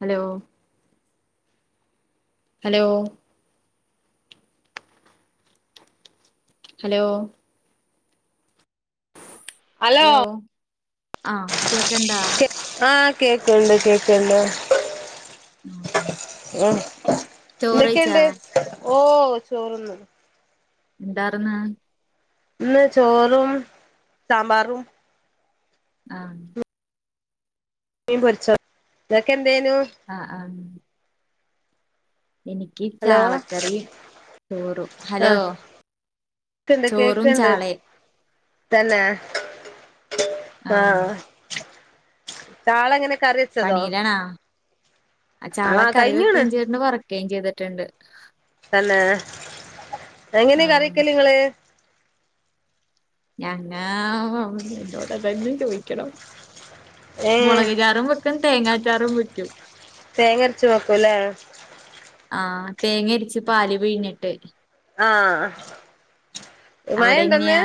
ഹലോലോ hello hello hello ആ കേക്കണ്ടാ ആഹ കേക്കണ്ട് കേക്കണ്ട്. ഉം അ ചോറെയ്ച്ചാ എന്തൊക്കെയുണ്ട് ഓ ചോറന്ന് എന്താര്ന്ന് ഇന്ന് ചോറും സാമ്പാറും ആഹ് മീൻ പൊരിച്ചോ നിങ്ങക്കെന്തേനു ആഹ് ആഹ് എനിക്ക് ഹലോ ചാളക്കറിയും ചോറും ഹലോ ആഹ് കേക്ക്ണ്ട് ചോറും കേക്ക്ണ്ട് ചാളയും തന്നെ ആഹ് ചാളങ്ങനെ കറി വെച്ചതോ പണീലാണാ ചാള ആഹ് കറി കഴിഞ്ഞ്ണ് വെക്കുകയും ചെയ്തിണ്ട് വറക്കുകയും ചെയ്തിട്ട്ണ്ട് തന്നേ എങ്ങനെ ആഹ് കറിവെക്കല്ങ്ങള് ഞങ്ങാ ഓ എന്നോട്തന്നെ ചോയിക്കണം ഏഹ് മുളക് ചാറും വെക് ക്കും തേങ്ങാചാറും വെക്കും തേങ്ങ അരച്ചു വെക്കൂല്ലേ ആഹ് തേങ്ങര്ച്ച് പാല് പിഴിഞ്ഞിട്ട് ആഹ് മഴണ്ടോ ഇന്ന് അവിടെങ്ങനെയാ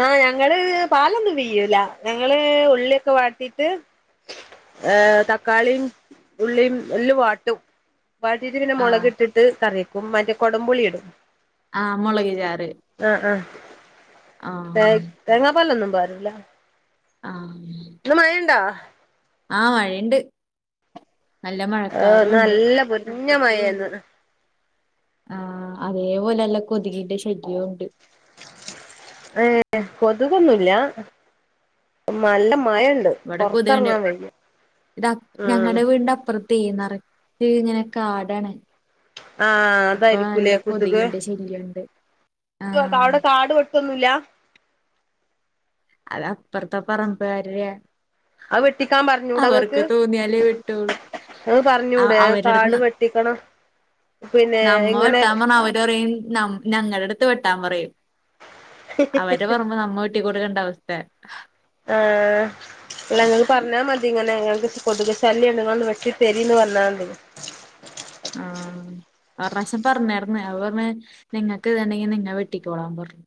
ആഹ് ഞങ്ങള് പാലൊന്നും പിയ്യൂല ഞങ്ങള് ഉള്ളിയൊക്കെ വാട്ടീട്ട്. ഏഹ് തക്കാളീം ഉള്ളീം എല്ലും വാട്ടും. വാട്ടീട്ട് പിന്നെ മൊളക് ആഹ് ഇട്ടിട്ട് കറിവെക്കും മറ്റേ കൊടംപുളി ഇടും. ആഹ് മൊളക് ചാറ്. ആഹ് ആഹ് ആഹ് തേങ്ങ് തേങ്ങാപ്പാലൊന്നും പാരൂല. ആഹ്. ഇന്ന് മയണ്ടാ? ആഹ് മഴണ്ട് നല്ല ഏഹ് ഇന്ന് മഴക്കാറൂണ്ട്. നല്ല മയേന്ന്വ്ടെ. ആഹ് അതേപോലെനല്ല കൊതുകിന്റെ ശല്യവുണ്ട്. ഏഹ് കൊതുകൊന്നുല്ല. ഉം നല്ല മഴണ്ട്. ഇവിടെ കൊത്‌ക്ണ്ട് ഇത് അപ് ഉം ഞങ്ങടെ വീടിന്റെ അപ്പൊർ തീ നറച്ച് ഇങ്ങനെ കാടാണ്. ആഹ് അപ്പൊ നല്ല അതായിരിക്കൂലേ കൊതുക് കൊതുകിന്റെ ശല്യമുണ്ട് ആഹ് അടെ കാട് വെ ട്ടൊന്നുല്ല. അത് അപ്പർത്തെ പറമ്പ്കാര്ടെ. അത്‌വെട്ടിക്കാൻ പറഞ്ഞൂടെങ്ങക്ക് തോന്നിയാലേ വെട്ടുള്ളൂ അഹ് പറഞ്ഞൂടെ കാട് അവരുടെടുത്ത് വെ ട്ടിക്കണം. നമ്മ വെട്ടാ പർഞ്ഞാ അവര് പറയും ഞം ഞങ്ങൾടെ അടുത്ത് വെട്ടാൻ പറയും. അവരെ പറമ്പ് നമ്മ വെട്ടിക്കൊടുക്കണ്ട അവസ്ഥേ. ആഹ് ല്ല ഇങ്ങക്ക് പർഞ്ഞാ മതി തിങ്ങനെ ഞങ്ങക്ക് കൊതുക് ശല്യണ്ട് ഇങ്ങളൊന്ന് വെട്ടി തരീന്ന് പർഞ്ഞാതി. ആഹ്. ഒർറാശ്യം പറഞ്ഞാര്ന്ന് അപ്പ പർഞ്ഞ് നിങ്ങക്ക് വേണ്ടെങ്കി നിങ്ങ വെട്ടിക്കോളാൻ പർഞ്ഞ്.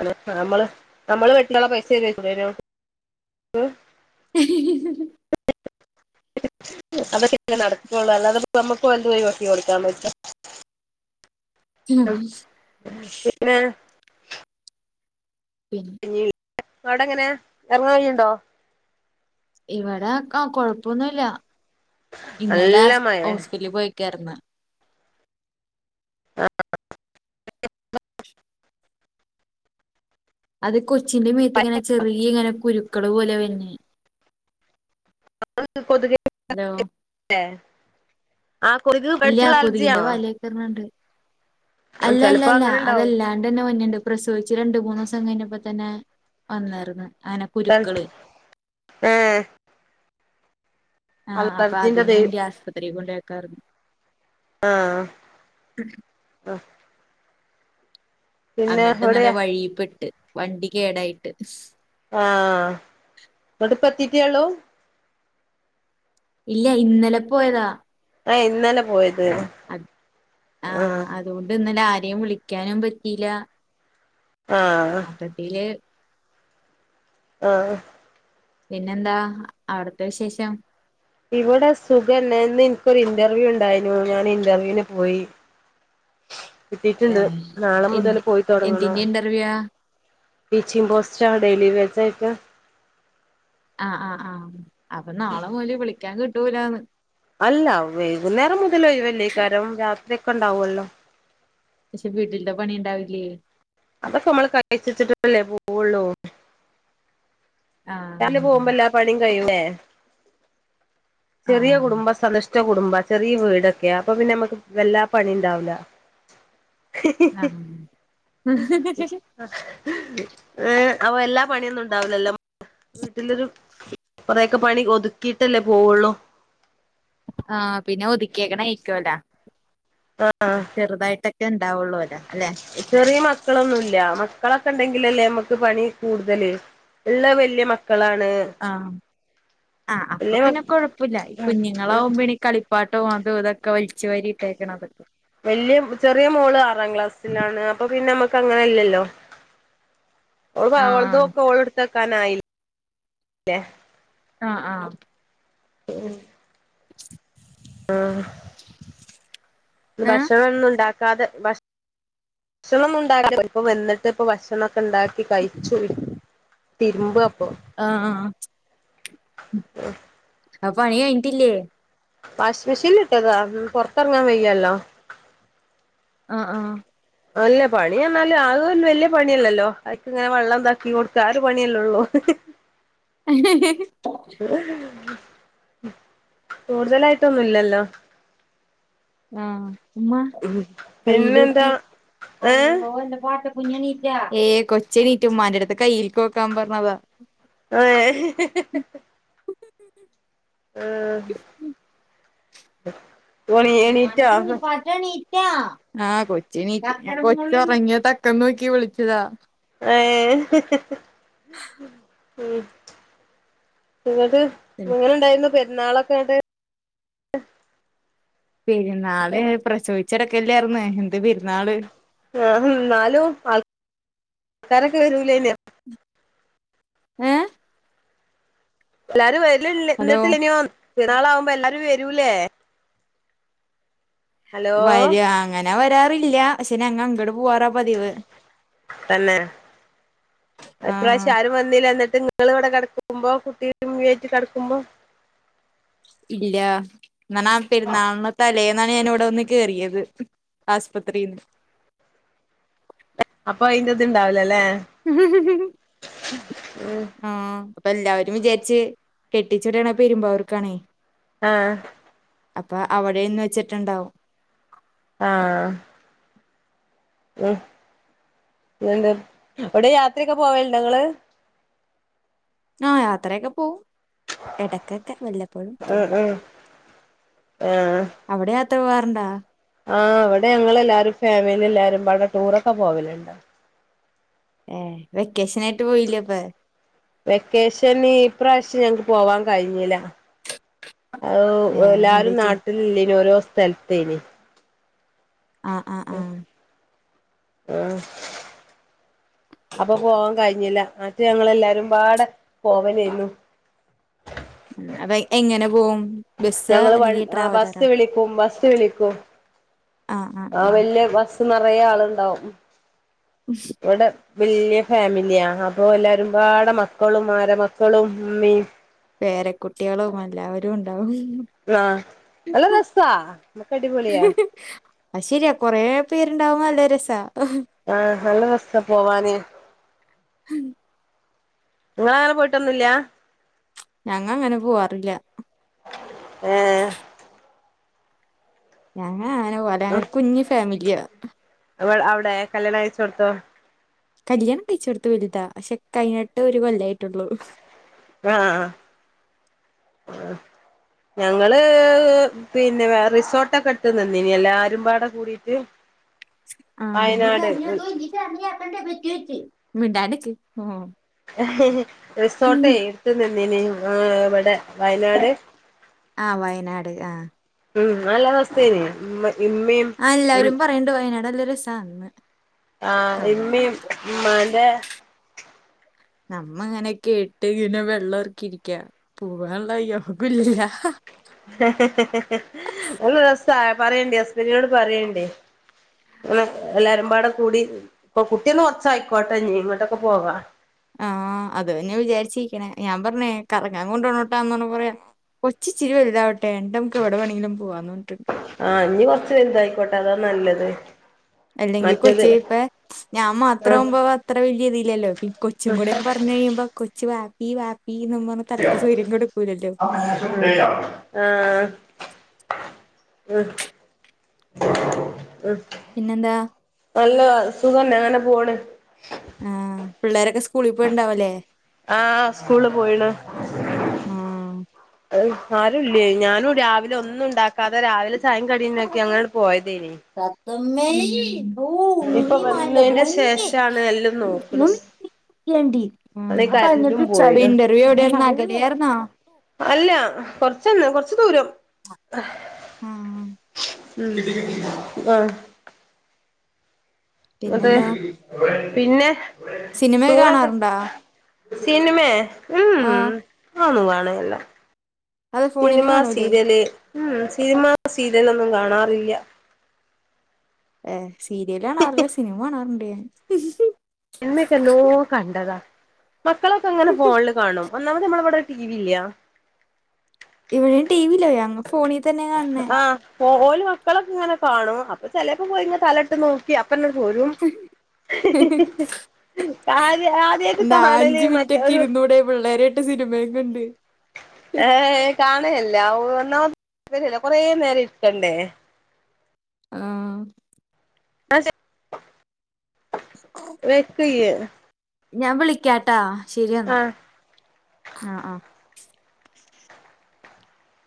അലോ നമ്മള് നമ്മള് വെട്ടിയാള്ള പൈസരേക്കൂ തരോ. [unintelligible] അതൊക്കെ നടക്കുള്ളൂ അല്ലാതെ നമ്മുക്ക് ഓൽത് പോയി ഒഴിവാക്കി കൊടുക്കാൻ പറ്റോ. അം പിന്നെ. പിൻ. ഞ്ഞിൽ അവ്ടെ എങ്ങനെ എർങ്ങാ കഴിയ്ണ്ടോ? ഇവടെ ആഹ് കൊഴപ്പൊന്നുല്ല ഇന്നലെ നല്ല ഹസ് മഴേ ഹോസ്പിറ്റലിൽ പോയി. കെടന്ന് [inaudible] അത് കൊച്ചിന്റെ മേത്ത് ഇങ്ങനെ ചെറിയ ഇങ്ങനെ കുരുക്കൾ പോലെ വന്നേ. അഹ് കൊതുക് ഹലോ ആ കൊതുക് കടിച്ചുള്ള അലർജിയാണോ ത്രണ്ണണ്ട് അല്ല അല്ല ചെലപ്പോ അല്ല അങ്ങനെണ്ടാവും അതല്ലാണ്ടന്നെ മഞ്ഞണ്ട് പ്രസവിച്ച് രണ്ട് മൂന്ന്സം കഴിഞ്ഞപ്പോതന്നെ വന്നായിരുന്നു അങ്ങനെ കുരുക്കള്. ഏഹ്. ആഹ് അപ്പൊ അലർജിന്റെ അതിന് ദൈ വേണ്ടി ആശ്പത്രിയിൽ കൊണ്ടാക്കാര്ന്നു. ആഹ് അഹ് അന്നിട്ട് ഇന്നലെ എവടെയാ വഴിയിപ്പെട്ട് വണ്ടികേടായിട്ട് ആഹ് ഇന്നട്ട്പ്പെത്തീറ്റെഒള്ളൂ ഇല്ല ഇന്നലെ പോയതാ ആഹ് ഇന്നലെ പോയത് ലെ അത് ആഹ് അതോണ്ട് ഇന്നല ആരെയും വിളിക്കാനും പറ്റിയില്ല ആഹ്. മൊത്തത്തില് ആഹ്. പിന്നെന്താ അവിട്ത്തെ വിശേഷം ഇവിടെ സുഖന്നേ ഇന്നിന്ക്കൊരു ഇന്റർവ്യൂണ്ടായിനു ഞാന് ഇന്റർവ്യൂന് പോയി ഏ കിട്ടീട്ട്ണ്ട് നാളെ എന്ത് മുതല് പോയിതൊടങ്ങണോം എന്തിന്റെ ഇന്റർവ്യൂവാ ടീച്ചിങ്പോസ്റ്റ ഡെയിലിവെജായിട്ട ആഹ് ആഹ് ആഹ് അപ്പൊ നാളെ മുതല് വിളിക്കാൻ കിട്ടൂലാന്ന് അല്ല വൈകുന്നേരം മുതലൊയിവല്ലേക്കാരം രാത്രി ഒക്കെണ്ടാവൊല്ലോ പക്ഷെ വീട്ടിൽത്തെ പണിണ്ടാവില്ലേ അതൊക്കെ മ്മള് കഴിച്ചെച്ചിട്ടല്ലേ പോവൊള്ളൂ രാവിലെ ആഹ് പോകുമ്പ എല്ലാ പണിയും കയ്യൂലെ ചെറിയ ആഹ് കുടുംബ സന്തുഷ്ട കുടുംബ ചെറിയ വീടൊക്കെയാ അപ്പൊ പിന്നെമ്മക്ക് വല്ലാ പണിണ്ടാവൂല ആഹ് ഏഹ് അപ്പൊ വല്ലാ പണിയൊന്നുണ്ടാവുലല്ലോ വീട്ടിലൊരു കൊറേയൊക്കെ പണി ഒതുക്കിട്ടല്ലേ പോവൊള്ളൂ ആഹ് പിന്നെ ഒതുക്കിയെക്കണയിക്കുവല്ലോ ആഹ് ചെറുതായിട്ടൊക്കെ ണ്ടാവൊള്ളോലൊ അല്ലെ ചെറിയ മക്കളൊന്നുല്ല മക്കളൊക്കെണ്ടെങ്കിലല്ലേ നമ്മക്ക് പണികൂടുതല് ഇള്ളത് വല്യ മക്കളാണ് ആഹ് ആ അപ്പൊ വല്യ മ പിന്നെ കൊഴപ്പല്ല കുഞ്ഞുങ്ങളാവുമ്പണീ കളിപ്പാട്ടോം അതും ഇതൊക്കെ വലിച്ചു വാരിട്ടേക്കണതൊക്കെ വല്യ ചെറിയ മോള് ആറാം ക്ലാസ്സിലാണ് അപ്പൊ പിന്നെ മ്മക്ക് അങ്ങനെല്ലല്ലോ [inaudible] ഓൾപ്പോ ആഹ് ഓളതൊക്കെ ഓൾട്തെക്കാനായില്ലേ ആഹ് ആഹ് ഉം ആഹ് ഏഹ് ഭക്ഷണൊന്നുണ്ടാക്കാതെ ഭക്ഷണൊന്നുണ്ടാക്കലില്ല ഇപ്പ വന്നിട്ട് ഇപ്പ ഭ ഭക്ഷണൊക്കെണ്ടാക്കി കഴിച്ചു തിരുമ്പാപ്പൊ ആഹ് ആഹ് ആഹ് ഉം അപ്പൊ പണി കഴിഞ്ഞിട്ടില്ലേ വാഷിംഗ് മെഷീന്ലിട്ടതാ പൊറത്തെറങ്ങാൻ വയ്യല്ലോ ആഹ് ആഹ് അല്ല പണി എന്നാല് അതൊരു വല്യ പണിയല്ലല്ലോ അയ്ക്കിങ്ങനെ വെള്ളം ഇതാക്കി കൊടുക്ക ആ ഒരു പണിയല്ലൊള്ളൂ [unintelligible] കൂടുതലായിട്ടൊന്നുല്ലല്ലോ ആഹ് ഉമ്മ പിന്നെന്താ കയ്യിലോക്കി ഏ അള്ളോഹ് ന്റെ പാട്ട കുഞ്ഞേണീറ്റാ ഏഹ് കൊച്ചെണീറ്റ് ഉമ്മാന്റെടുത്ത് കയ്യിൽക്ക് നോക്കാൻ പറഞ്ഞതാ ഏഹ് ഉം എണീ എണീറ്റോ എണീറ്റോ ആഹ് കൊച്ചെണീ കൊച്ചൊറങ്ങിയ തക്കം നോക്കി വിളിച്ചതാ ഏഹ് ഉം ന്ന്ട്ട് എങ്ങനെ ണ്ടായിരുന്നു പെരുന്നാളൊക്കെന്നട്ട് പെരുന്നാള് പ്രസവിച്ചെടക്കല്ലാരുന്നോ എന്ത് പെരുന്നാള് ആഹ് ന്നാലും ആൾക്കാരൊക്കെ വരൂലേന്നെയാ ഏഹ് എല്ലാരും വരല ഹലോ ന്നിട്ടില്ലെനിയോ പെരുന്നാളാവുമ്പോ എല്ലാരും വരൂലേ ഹലോ വര അങ്ങനെ വരാറില്ല പക്ഷേ നങ്ങ അങ്ങട് പോവാറ തന്നെ ആഹ് ഇപ്രാവശ്യം ആരും വന്നില്ല ന്നട്ട് ഇങ്ങളിവിടെ കെടക്കുമ്പോ കുട്ടിനേം ആയിട്ട് കെടക്കുമ്പോ ഇല്ല ങ്ങനെ പെരുന്നാള്ന് തലേന്നാണ് ഞാൻ ഇവിടെ വന്ന് കേറിയത് ആസ്പത്രിൽന്ന് അപ്പൊ അയിന്റെ ഇത് ഇണ്ടാവലല്ലേ ഉ ആഹ അപ്പൊ എല്ലാവരും വിചാരിച്ചച്ച് കെട്ടിച്ചോടണ പെരുമ്പോ വർക്കാണേ ആഹ അപ്പൊ അവിടെന്ന് വെച്ചിട്ടുണ്ടാവും ആഹ ഉ പിന്ത് അ വിടെ യാത്രയൊക്കെ പോവല്ട്ടോ ങ്ങള് ആഹ യാത്രയൊക്കെ പോവും എ ടക്കക്ക വല്ലപ്പോഴും ആഹ് ആഹ് ആഹ് അവിടെ യാത്ര പോവാറുണ്ടാ ആഹ് അവിടെ ഞങ്ങൾെല്ലാരും ഫാമിലി എല്ലാരും പടെ ടൂറൊക്കെ പോവലുണ്ട് ഏ വെക്കേഷന ആയിട്ട് പോയില്ലേ അപ്പൊ വെക്കേഷൻ ഇപ്രാവശ്യം ഞങ്ങക്ക് പോവാൻ കഴിഞ്ഞില്ല ഏഹ് എന്ത് എല്ലാരും പറ്റി നാട്ടിലല്ലനി ഓരോ സ്ഥലത്തേന് ആആ ആഹ ഉഹ അപ്പൊ പോവാാൻ കഴിഞ്ഞില്ല മറ്റ ഞങ്ങെല്ലാരുംപാട് പോവൽ യിരുന്നു അ.. എങ്ങനെ പോവും ബസ്സാ ഞങ്ങള്ൾ അല്ലെങ്കി വ ട്രാവലറാ ബസ് വിളിക്ക ഉം ബസ് വിളിക്കും ആഹ് ആഹ് ആ ആഹ് വലി യ ബസ്സ് നിറയ ആള് ണ്ടാവും ഉ ഇവിടെ വലിയ ഫാമിലിയാ അപ്പോ എല്ലാവരുംപാട് മക്കളും ആരമക്കളും ഇ മ്മീ പേരകുട്ടികളും എല്ലാവരും ഉണ്ടാവും ആഹ ന ല്ല രസ മക്കടിപോ ളിയാ അ ശരിയാ കൊറെ പേരുണ്ടാവും നല്ല രസ ആഹ നല്ല ര സ പോവാന് നിങ്ങള അങ്ങനെ പോയിട്ടൊന്നുമില്ല ഞങ്ങ അങ്ങനെ പോവാറില്ല ഹേ ഞങ്ങ അങ്ങനെ പോല കുഞ്ഞി ഫാമിലിയാ ആവട കല്യാണം കഴി ചോടത്തോ കല്യാണം കഴിച്ചെടുത്ത് വലുതാ പക്ഷെ കഴഞ്ഞിട്ട് ഒരു ഒരു കൊല്ലം ആയിട്ടുള്ളൂ ആ ഞങ്ങള് പിന്നെ വേറെ റിസോട്ടൊക്കെ എടുത്തി നിന്ന് നി എല്ലാരുംപാടെ കൂടിയിട്ട് ആ മിണ്ടാട്ടിക്ക് ആ റിസോട്ടേ എടുത്തുന്നിനി ഇവിടെ വയനാട് ആഹ് വയനാട് ആഹ് ഉം നല്ലവസ്ഥേനെ ഉമ്മ ഇമ്മേം ആ എല്ലാവരും പറയണ്ട് വയനാട് നല്ലരസാന്ന് ആ ഇമ്മേം ഇമ്മാന്റേ നമ്മ അങ്ങനെ കേട്ട് ഇങ്ങനെ വെള്ളം ഇറക്കിയിരിക്കാണ് പോവാനുള്ള വയ്യോ ഒരുരസ് ത്താ പറയണ്ടേ ഹസ്ബന്റിനോട് പറയണ്ടേ ഇങ്ങനെ എല്ലാരുംമ്പാടെകൂടി ഇപ്പൊ കുട്ടിയൊന്ന് കൊറച്ചായിക്കോട്ടെ ഞ്ഞീ ഇങ്ങോട്ടൊക്കെ പോവാം ആ അതുതന്നെയാ വിചാരിച്ചിരിക്കണേ ഞാൻ പറഞ്ഞേ കറങ്ങാൻ കൊണ്ടോണോട്ടാന്നറഞ്ഞപ്പൊ പറയാ കൊച്ചിച്ചിരി വലുതാവട്ടെ എണ്ട് നമുക്കെവിടെ വേണങ്കിലും പോവാന്ന് പറഞ്ഞിട്ടുണ്ട് ആ ഇനികൊറച്ച് വലുതായിക്കോട്ടെ അതാനല്ലത് അല്ലെങ്കിൽ കൊച്ചിപ്പ ഞാൻ ആഹ് മാത്രംമാവുമ്പോ അത്ര വലൃഇതില്ലല്ലോ ഈ കൊച്ചുംകൂടെയായപ്പ വന്നു കഴിയുമ്പോ കൊച്ചു വാപ്പി വാപ്പിന്നപറഞ്ഞ് [inaudible] ആ ഉം ഉം പിന്നെന്താ നല്ലതാ സുഖംതന്നെങ്ങനെപോണ് ആ പിള്ളേരൊക്കെ സ്കൂളിപോയിട്ടുണ്ടാവല്ലേ ആ സ്കൂളീപോയിണ് ആഹ് ആരുല്ലേ ഞാനും രാവിലെ ഒന്നും ഉണ്ടാക്കാതെ രാവിലെ ചായേം കടിയുണ്ടാക്കി അങ്ങട്പോയതേനി [unintelligible] ഇപ്പോ നുമ്മി മാന്റെ വന്നേന്റെ പൊന്ന് ശേഷാണ് എല്ലാം നോക്കണത് അ പോയിണ് ഇന്റർവ്യൂ എവിടെന്നോ [unintelligible] അല്ല കൊറച്ചന്നെ കൊറച്ചുദൂരം ഉം ഉം ആ അതെ പിന്നെന്താ പിന്നെ സിനിമയൊക്കെ ടൂറൊക്കെ കാണാറുണ്ടാ സിനുമേ ഉം ആ അതൊന്നും കാണുന്നില്ല അത് ഫോണില് സിനിമ കാണൂലേ സീരീയല് ഉം സിനിമ സീരീയലൊന്നും കാണാറില്ലാ ഏ സീരിയലാണാറില്ല സിനിമ കാണാറുണ്ട് സിനിമയൊക്കെ എന്നോ കണ്ടതാ മക്കളൊക്കെങ്ങനെ ഫോണില് കാണും ഒന്നാമത് നമ്മളിവിടെ ടിവി ഇല്ല്യാ ഇവിടെയും ടിവിയില്ല യങ്ങ് ഫോണിതന്നെ ആ ഓല് മക്കളൊക്കിങ്ങനെകാണും അപ്പൊ ചെലേപ്പംപോയി ഇങ്ങനെ തലേട്ട് നോ ക്കി അപ്പന്നെട് പോരും ആദ്യ ആദ്യായിട്ട് എന്താ കാണല് മറ്റേ ഒരു അഞ്ചുമിനിറ്റൊക്കെയിരുന്നൂടെ പിള്ളേരായിട്ട് സിനിമേംകണ്ട് ഏ കാണയെല്ലാ ഒന്നാ കൊറേനേരം ഇരിക്കണ്ടേ ആ അശെ [inaudible] വെക്കിയ്യ് ഞാൻ വിളിക്കാട്ടാ ശെരിയെന്നാ ആഹ് ആ ആ